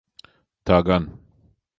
Tā gan.